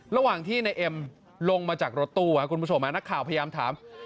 ระหว่างที่นายเอ็มลงมาจากรถตู้ครับคุณผู้ชมนักข่าวพยายามถาม